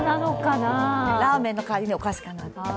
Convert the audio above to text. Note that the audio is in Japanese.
ラーメンの代わりにお菓子かなと。